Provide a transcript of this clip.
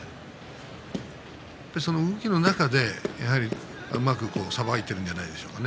動きの中で、うまくさばいているんじゃないんでしょうか。